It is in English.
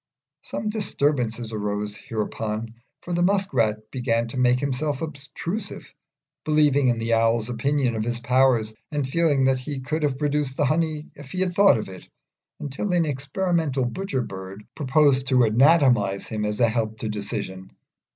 Some disturbance arose hereupon, for the Musk rat began to make himself obtrusive, believing in the Owl's opinion of his powers, and feeling that he could have produced the honey if he had thought of it; until an experimental Butcher bird proposed to anatomise him as a help to decision.